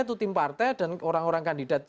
itu tim partai dan orang orang kandidat